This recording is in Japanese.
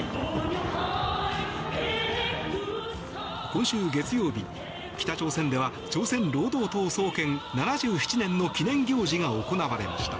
今週月曜日、北朝鮮では朝鮮労働党創建７７年の記念行事が行われました。